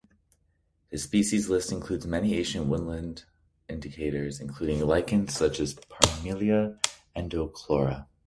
The species list includes many ancient woodland indicators including lichens such as "Parmelia endochlora".